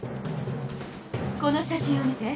この写真を見て。